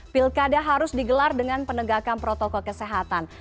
pilkada harus digelar dengan penegakan protokol kesehatan